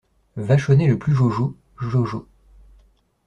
Vachonnet Le plus jojo … jojo …